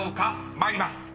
参ります］